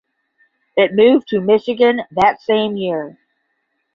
It moved to Michigan that same year.